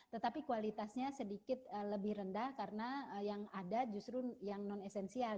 tetapi kualitasnya sedikit lebih rendah karena yang ada justru yang non esensial